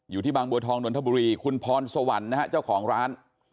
อยู่ที่บางบัวทองนนทบุรีคุณพรสวรรค์นะฮะเจ้าของร้าน